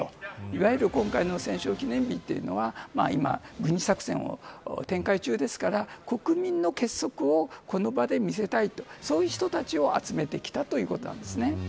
いわゆる今回の戦勝記念日というのは今、軍事作戦を展開中ですから国民の結束をこの場で見せたいとそういう人たちを集めてきたということなんです。